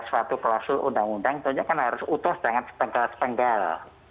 suatu klausul undang undang tentunya kan harus utuh dengan setengah setengah